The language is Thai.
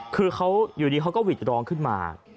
คือเขาอยู่ดีเขาก็หวิดร้องขึ้นมา